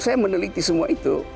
saya meneliti semua itu